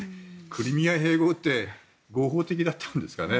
クリミア併合って合法的だったんですかね。